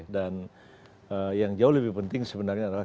dan yang jauh lebih penting sebenarnya adalah